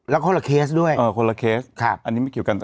แล้วคนละเคสด้วยเออคนละเคสครับอันนี้ไม่เกี่ยวกันต่อ